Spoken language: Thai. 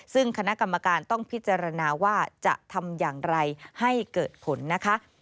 ซึ่งคณะกรรมการต้องพิจารณาว่าจะทำอย่างไรให้เกิดผลนะคะ